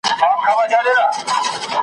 غریب سړی ابلک یې سپی .